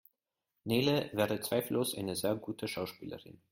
Nele wäre zweifellos eine sehr gute Schauspielerin.